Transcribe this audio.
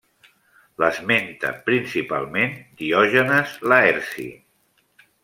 L'esmenta principalment Diògenes Laerci.